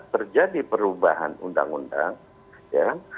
terjadi perubahan undang undang